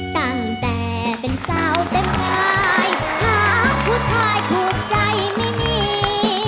ตั้งแต่เป็นสาวเต็มกายหาผู้ชายถูกใจไม่มี